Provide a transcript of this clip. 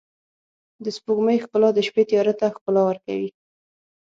د سپوږمۍ ښکلا د شپې تیاره ته ښکلا ورکوي.